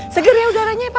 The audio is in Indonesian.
seger ya udaranya ya pak